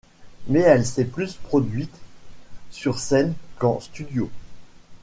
Mais elle s'est plus produite sur scène qu'en studio.